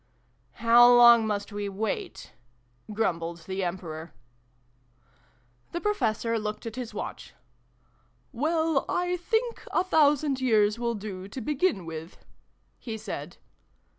" How long must we wait ?" grumbled the Emperor. 344 SYLVIE AND BRUNO CONCLUDED. The Professor looked at his watch. "Well, I think a thousand years will do to begin with," he said.